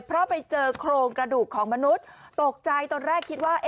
เพราะไปเจอโครงกระดูกของมนุษย์ตกใจตอนแรกคิดว่า